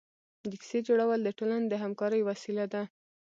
د کیسې جوړول د ټولنې د همکارۍ وسیله ده.